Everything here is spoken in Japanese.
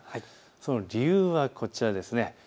その理由はこちらです。